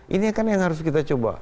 ini kan yang harus kita coba